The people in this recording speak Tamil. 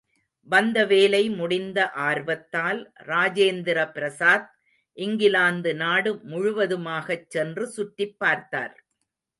வந்த வேலை முடிந்த ஆர்வத்தால், ராஜேந்திர பிரசாத் இங்கிலாந்து நாடு முழுவதுமாகச் சென்று சுற்றிப் பார்த்தார்.